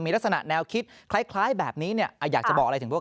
มีลักษณะแนวคิดคล้ายแบบนี้เนี่ยอยากจะบอกอะไรถึงพวก